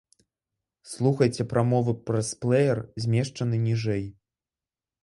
Слухайце прамовы праз плэер, змешчаны ніжэй.